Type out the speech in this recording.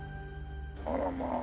あらまあ。